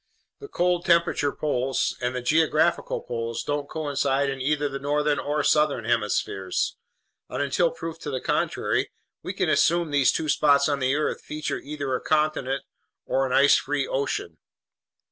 The cold temperature poles and the geographical poles don't coincide in either the northern or southern hemispheres, and until proof to the contrary, we can assume these two spots on the earth feature either a continent or an ice free ocean."